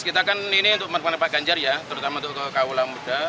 kita kan ini untuk teman teman pak ganjar ya terutama untuk ku la muda